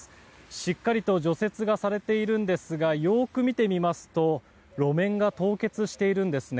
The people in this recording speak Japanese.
しっかりと除雪がされているんですがよく見てみますと路面が凍結しているんですね。